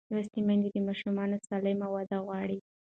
لوستې میندې د ماشوم سالمه وده غواړي.